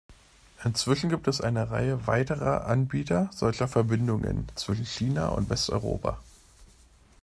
Inzwischen gibt es eine Reihe weiterer Anbieter solcher Verbindungen zwischen China und Westeuropa.